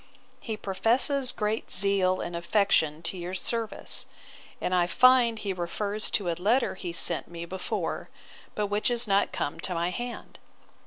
He professes great zeal and affection to your service: and I find he refers to a letter he sent me before, but which is not come to my hand.